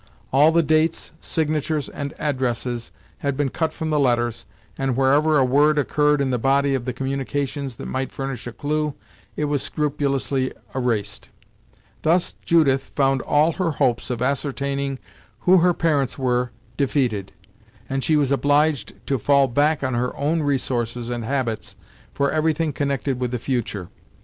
All the dates, signatures, and addresses had been cut from the letters, and wherever a word occurred in the body of the communications that might furnish a clue, it was scrupulously erased. Thus Judith found all her hopes of ascertaining who her parents were defeated, and she was obliged to fall back on her own resources and habits for everything connected with the future.